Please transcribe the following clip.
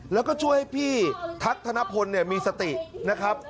แล้วก็ช่วยให้พี่ทักธนพลมีสตินะครับ